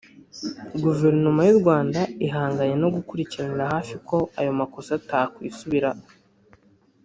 Guverinoma y’u Rwanda ihanganye no gukurikiranira hafi cyane ko ayo makosa atakwisubira